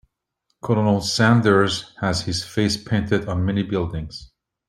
Colonel sanders has his face painted on many buildings.